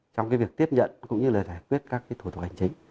trong cái việc tiếp nhận cũng như là giải quyết các cái thủ tục hành chính